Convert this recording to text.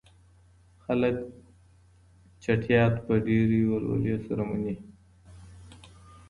خلګ چټیات په ډیرې ولولې سره مني.